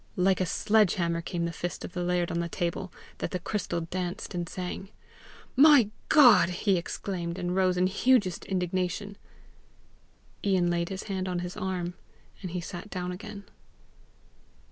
Like a sledge hammer came the fist of the laird on the table, that the crystal danced and rang. "My God!" he exclaimed, and rose in hugest indignation. Ian laid his hand on his arm, and he sat down again.